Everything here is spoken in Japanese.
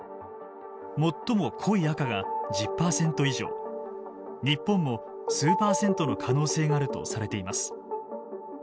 最も濃い赤が１０％以上日本も数％の可能性があるとされています。